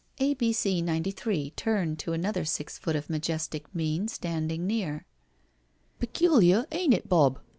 A*. B. C. 93 turned to another six foot of majestic mien standing near. *' Peculiar, ain*t it, Bob?